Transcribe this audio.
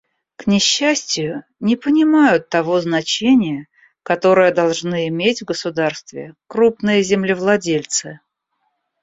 К несчастию, не понимают того значения, которое должны иметь в государстве крупные землевладельцы.